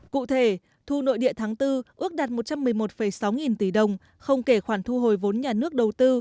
cụ thể thu nội địa tháng bốn ước đạt một trăm một mươi một sáu nghìn tỷ đồng không kể khoản thu hồi vốn nhà nước đầu tư